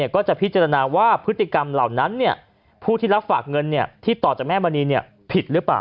ก็จะพิจารณาว่าพฤติกรรมเหล่านั้นผู้ที่รับฝากเงินที่ต่อจากแม่มณีผิดหรือเปล่า